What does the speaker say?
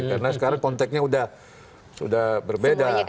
karena sekarang konteknya sudah berbeda